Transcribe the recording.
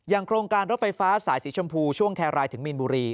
โครงการรถไฟฟ้าสายสีชมพูช่วงแครรายถึงมีนบุรี